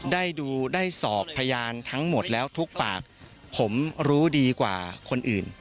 ได้ดูได้สอบพยานทั้งหมดแล้วทุกปากผมรู้ดีกว่าคนอื่น